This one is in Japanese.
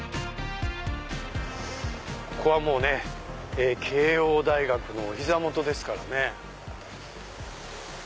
ここは慶應大学のお膝元ですからね。